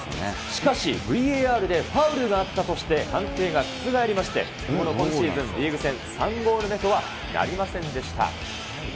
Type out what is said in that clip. しかし、ＶＡＲでファウルがあったとして、判定が覆りまして、今シーズンリーグ戦３ゴール目とはなりませんでした。